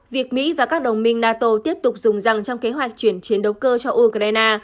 việc mỹ và các đồng minh nato tiếp tục dùng rằng trong kế hoạch chuyển chiến đấu cơ cho ukraine